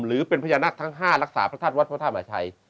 หรือเป็นพญานาคทั้ง๕รักษาพระธาตุวัดพระธาตุมาชัย